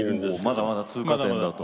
まだまだ通過点だと。